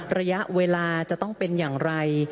ระยะเวลาจะต้องเป็นอย่างไร